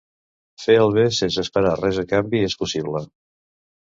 Fer el bé sense esperar res a canvi és possible.